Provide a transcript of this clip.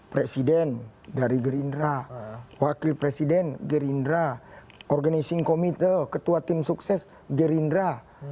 presiden dari gerindra wakil presiden gerindra organizing committee ketua tim sukses gerindra